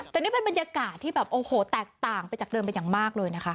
แต่นี่เป็นบรรยากาศที่แบบโอ้โหแตกต่างไปจากเดิมเป็นอย่างมากเลยนะคะ